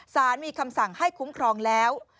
สารมีคำสั่งให้คุ้มครองแล้ว